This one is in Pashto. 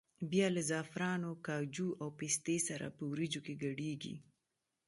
بیا له زعفرانو، کاجو او پستې سره په وریجو کې ګډېږي.